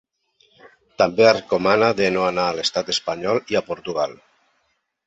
També recomana de no anar a l’estat espanyol i a Portugal.